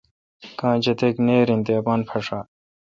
کاں جتک نییر این تے اپان پھݭا ۔